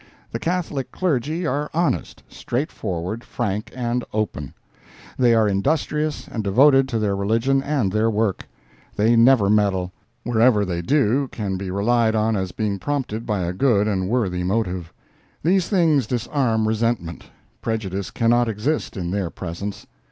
The Catholic clergy are honest, straightforward frank and open; they are industrious and devoted to their religion and their work; they never meddle; wherever they do can be relied on as being prompted by a good and worthy motive. These things disarm resentment—prejudice cannot exist in their presence.